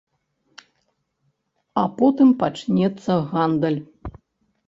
А потым пачнецца гандаль.